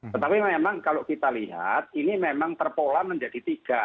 tetapi memang kalau kita lihat ini memang terpola menjadi tiga